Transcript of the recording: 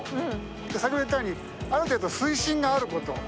先ほども言ったようにある程度水深があること。